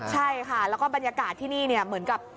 ใช่ค่ะแล้วก็บรรยากาศที่นี่เนี่ยเหมือนกับ